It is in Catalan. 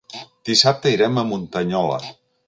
Dissabte irem a Muntanyola.